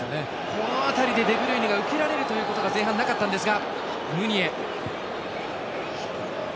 この辺りでデブルイネが受けられるのが前半、なかったんですが。